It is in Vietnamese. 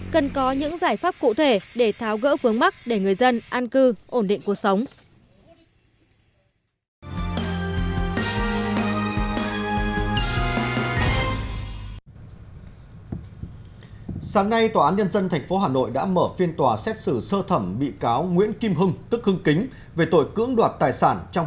cần có những giải pháp cụ thể để tháo gỡ vướng mắt để người dân an cư ổn định cuộc sống